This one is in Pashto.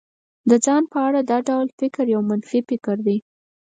د ځان په اړه دا ډول فکر يو منفي فکر دی.